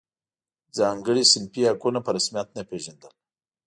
ځانګړي صنفي حقونه په رسمیت نه پېژندل.